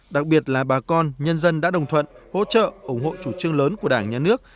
đặc biệt là bà con nhân dân đã đồng thuận hỗ trợ ủng hộ chủ trương lớn của đảng nhà nước